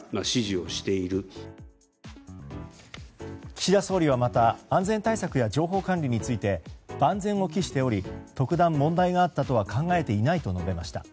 岸田総理はまた安全対策や情報管理について万全を期しており特段問題があったとは考えていないと述べました。